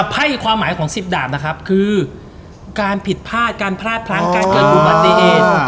ไพ่ความหมายของ๑๐ดาบนะครับคือการผิดพลาดการพลาดพลั้งการเกิดอุบัติเหตุ